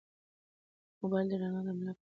د موبایل رڼا د ملا په مخ وځلېده.